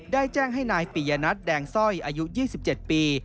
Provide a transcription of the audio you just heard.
ได้แจ้งให้นายปิยนัทแดงสร้อยอายุ๒๗ปี